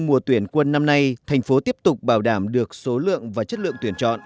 mùa tuyển quân năm nay thành phố tiếp tục bảo đảm được số lượng và chất lượng tuyển chọn